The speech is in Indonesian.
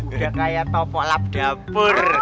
udah kayak topok lab dapur